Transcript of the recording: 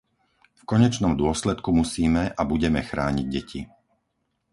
V konečnom dôsledku musíme a budeme chrániť deti.